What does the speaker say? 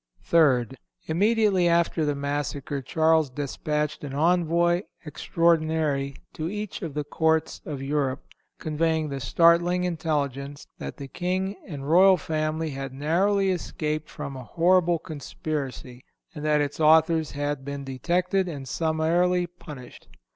Third—Immediately after the massacre Charles despatched an envoy extraordinary to each of the courts of Europe, conveying the startling intelligence that the King and royal family had narrowly escaped from a horrible conspiracy, and that its authors had been detected and summarily punished.